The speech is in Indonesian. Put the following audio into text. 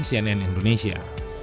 ikutan cnn indonesia